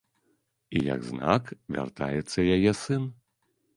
І як знак, вяртаецца яе сын.